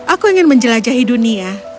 aku ingin menjelajahi dunia